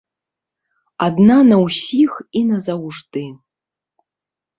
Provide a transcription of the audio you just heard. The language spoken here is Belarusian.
Адна на ўсіх і назаўжды.